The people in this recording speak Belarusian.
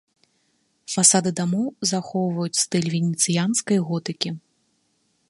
Фасады дамоў захоўваюць стыль венецыянскай готыкі.